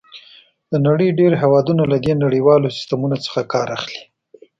د نړۍ ډېر هېوادونه له دې نړیوالو سیسټمونو څخه کار اخلي.